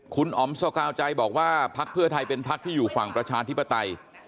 คุณอ๋อมสกาวใจบอกว่าพักเพื่อไทยเป็นพักที่อยู่ฝั่งประชาธิปไตย